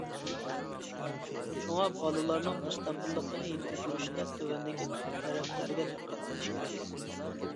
شۇڭا بالىلارنىڭ مۇستەقىللىقىنى يېتىلدۈرۈشتە تۆۋەندىكى تەرەپلەرگە دىققەت قىلىش كېرەك.